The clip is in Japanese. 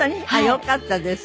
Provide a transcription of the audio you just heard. よかったです。